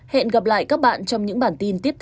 hẹn gặp lại các bạn trong những bản tin tiếp theo